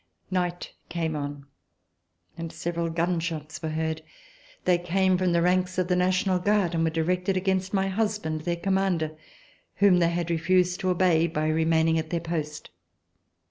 Night came on, and several gun shots were heard. They came from the ranks of the National Guard and were directed against my husband, their commander, whom they had refused to obey, by re maining at their post.